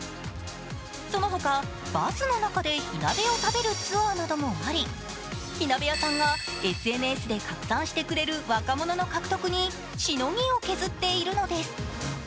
そのほかバスの中で火鍋を食べるツアーなどもあり火鍋屋さんがＳＮＳで拡散してくれる若者の獲得にしのぎを削っているのです。